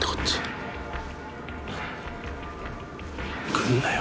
来んなよ。